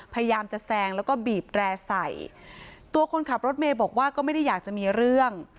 พยายามจะแซงแล้วก็บีบแร่ใส่ตัวคนขับรถเมย์บอกว่าก็ไม่ได้อยากจะมีเรื่อง